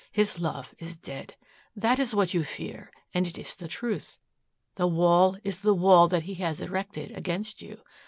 His love is dead. That is what you fear and it is the truth. The wall is the wall that he has erected against you.